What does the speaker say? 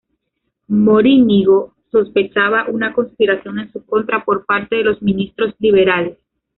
Morínigo sospechaba una conspiración en su contra por parte de los ministros liberales.